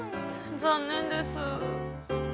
残念です。